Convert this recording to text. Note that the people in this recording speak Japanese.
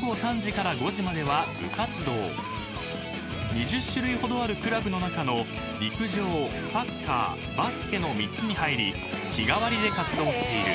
［２０種類ほどあるクラブの中の陸上サッカーバスケの３つに入り日替わりで活動している］